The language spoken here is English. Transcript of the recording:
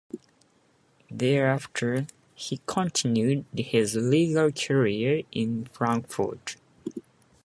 Thereafter, he continued his legal career in Frankfurt.